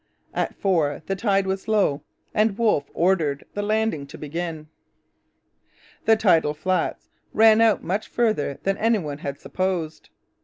At four the tide was low and Wolfe ordered the landing to begin. The tidal flats ran out much farther than any one had supposed.